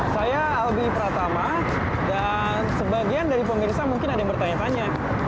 saya albi pratama dan sebagian dari pemirsa mungkin ada yang bertanya tanya